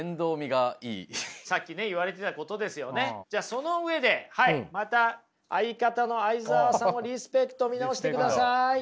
その上でまた相方の相澤さんをリスペクト見直してください。